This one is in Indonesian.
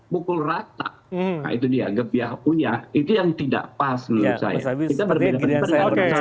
pukul rata itu dia gebiah uyah itu yang tidak pas menurut saya